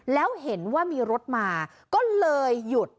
แล้วเห็นว่ามีรถมาก็เลยหยุด